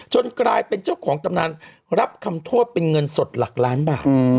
กลายเป็นเจ้าของตำนานรับคำโทษเป็นเงินสดหลักล้านบาท